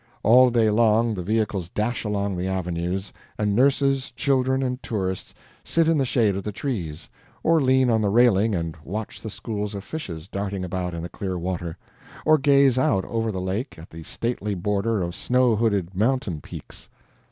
All day long the vehicles dash along the avenue, and nurses, children, and tourists sit in the shade of the trees, or lean on the railing and watch the schools of fishes darting about in the clear water, or gaze out over the lake at the stately border of snow hooded mountain peaks.